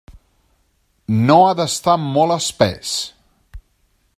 No ha d'estar molt espès.